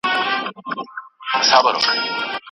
څنګه د خپلو احساساتو لیکل ذهن سپکوي؟